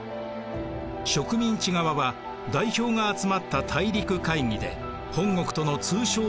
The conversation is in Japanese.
植民地側は代表が集まった大陸会議で本国との通商の断絶を決議します。